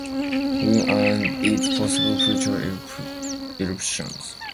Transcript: Baekdu and its possible future eruptions.